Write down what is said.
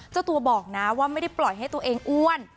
เจ้าตัวบอกนะว่าไม่ได้ปล่อยให้ตัวเองอ้วน